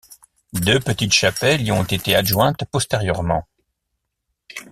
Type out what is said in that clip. Deux petites chapelles y ont été adjointes postérieurement.